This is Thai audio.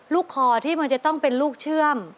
คอที่มันจะต้องเป็นลูกเชื่อม